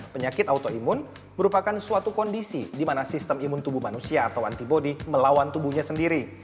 penyakit autoimun merupakan suatu kondisi di mana sistem imun tubuh manusia atau antibody melawan tubuhnya sendiri